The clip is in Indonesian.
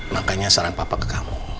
makanya saran papa ke kamu